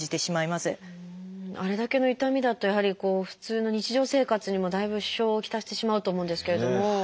あれだけの痛みだとやはり普通の日常生活にもだいぶ支障を来してしまうと思うんですけれども。